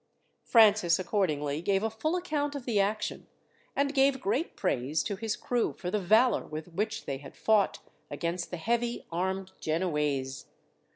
Francis accordingly gave a full account of the action, and gave great praise to his crew for the valour with which they had fought against the heavy armed Genoese.